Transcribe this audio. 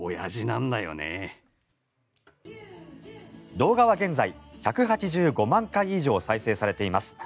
動画は現在１８５万回以上再生されています。